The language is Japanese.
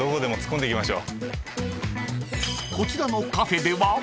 ［こちらのカフェでは］